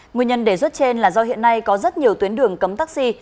nguyên nhân đề xuất trên là do hiện nay có rất nhiều tuyến đường cấm taxi